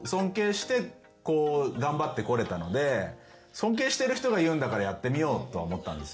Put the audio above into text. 尊敬してる人が言うんだからやってみようとは思ったんですよ。